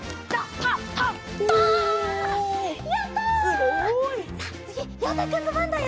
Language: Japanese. すごい！さあつぎようたくんのばんだよ。